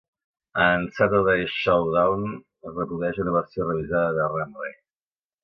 En "Saturday Showdown" es reprodueix una versió revisada de Ram Ray.